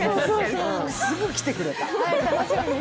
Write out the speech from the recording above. すぐ来てくれた。